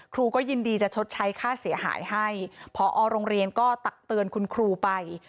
ครูก็ยินดีจะชดใช้ค่าเสียหายให้พอโรงเรียนก็ตักเตือนคุณครูไป